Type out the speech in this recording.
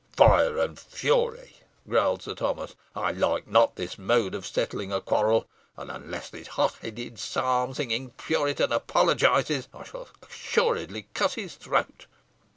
"Fire and fury!" growled Sir Thomas. "I like not this mode of settling a quarrel; and unless this hot headed psalm singing puritan apologises, I shall assuredly cut his throat."